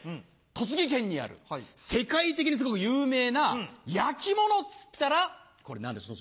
栃木県にある世界的にすごく有名な焼き物っつったらこれ何でしょう？